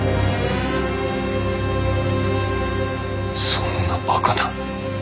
そんなバカな。